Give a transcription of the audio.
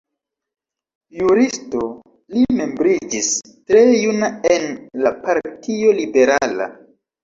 Juristo, li membriĝis tre juna en la Partio Liberala.